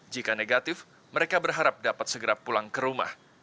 jika negatif mereka berharap dapat segera pulang ke rumah